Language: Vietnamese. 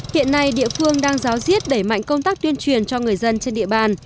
hiện nay địa phương đang giáo diết đẩy mạnh công tác tuyên truyền cho người dân trên địa bàn